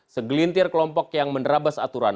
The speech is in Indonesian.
segelintir kelompok yang menerabas aturan